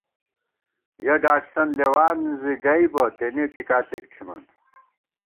یَہ ڈاٹسَن لېوان زِی گئیبہ، تېنے څِکا څِک تھِمان